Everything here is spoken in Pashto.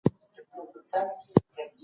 ایا سیاسي پرمختګ هم د کلتور برخه ده؟